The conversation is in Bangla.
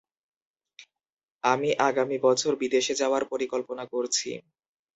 আমি আগামী বছর বিদেশে যাওয়ার পরিকল্পনা করছি।